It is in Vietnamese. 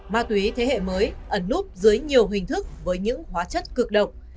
ma túy thế hệ mới ẩn núp dưới nhiều hình thức với những hóa chất cực độc